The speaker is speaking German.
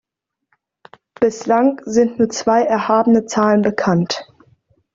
Bislang sind nur zwei erhabene Zahlen bekannt.